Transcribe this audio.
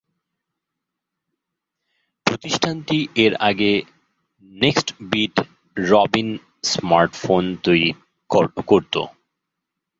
প্রতিষ্ঠানটি এর আগে নেক্সটবিট রবিন স্মার্টফোন তৈরি করত।